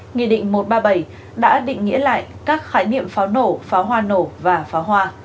nghị định một trăm ba mươi bảy đã định nghĩa lại các khái niệm pháo nổ pháo hoa nổ và pháo hoa